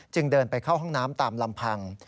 เดินไปเข้าห้องน้ำตามลำพัง